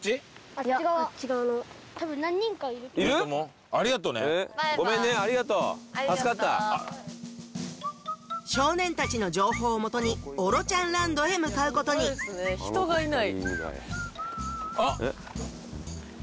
ありがとうねバイバイありがとうごめんねありがとう助かった少年たちの情報をもとに「オロちゃんランド」へ向かうことに人がいないあっ！